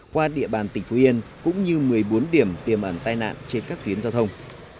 qua địa bàn tỉnh phú yên cũng như một mươi bốn điểm tiềm ẩn tai nạn trên các tuyến giao thông